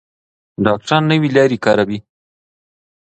ډاکټران نوې لارې کاروي.